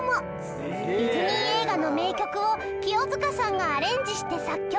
ディズニー映画の名曲を清塚さんがアレンジして作曲。